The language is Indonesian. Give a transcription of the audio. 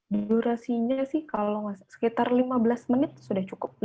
durasinya sih kalau sekitar lima belas menit sudah cukup